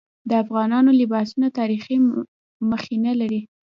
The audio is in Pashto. د افغانانو لباسونه تاریخي مخینه لري.